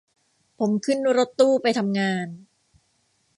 ผมขึ้นรถตู้ไปทำงาน